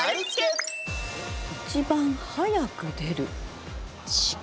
一番早く出る？